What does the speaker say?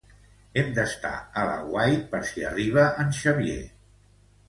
Hem d'estar a l'aguait per si arriba en Xavier.